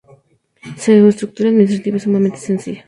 Su estructura administrativa es sumamente sencilla.